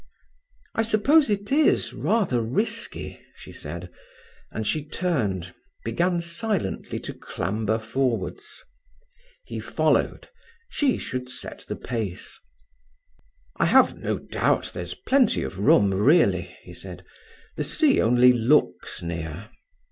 "I suppose it is rather risky," she said; and she turned, began silently to clamber forwards. He followed; she should set the pace. "I have no doubt there's plenty of room, really," he said. "The sea only looks near."